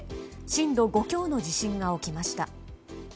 震度５強の地震が起きました。